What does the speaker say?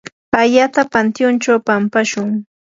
ayata pantyunchaw pampashun.